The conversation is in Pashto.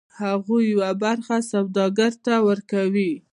هغوی یوه برخه سوداګر ته ورکوي